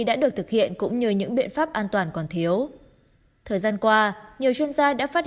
đã được thực hiện cũng như những biện pháp an toàn còn thiếu thời gian qua nhiều chuyên gia đã phát